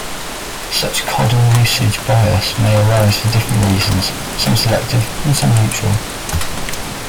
Such codon usage bias may arise for different reasons, some selective, and some neutral.